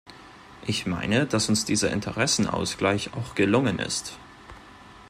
Ich meine, dass uns dieser Interessenausgleich auch gelungen ist.